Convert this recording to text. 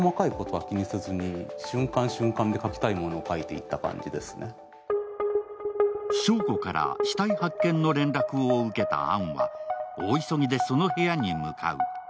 要点としては祥子から死体発見の連絡を受けた杏は、大急ぎでその部屋に向かう。